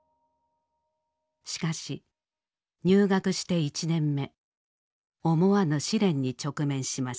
しかし入学して１年目思わぬ試練に直面します。